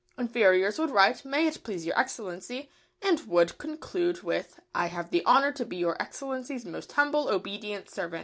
Inferiors would write "May it please your Excellency," and would conclude with "I have the honour to be Your Excellency's most humble, obedient servant."